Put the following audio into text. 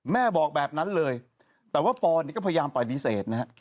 แม่บอกแบบนั้นเลยแต่ว่าปอนก็พยายามปฏิเสธนะฮะ